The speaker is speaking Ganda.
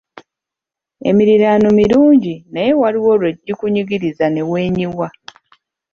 Emiriraano mirungi naye waliwo lwe gikunyigiriza ne weenyiwa.